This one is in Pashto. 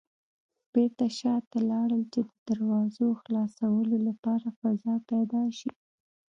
بېرته شاته لاړل چې د دراوزو خلاصولو لپاره فضا پيدا شي.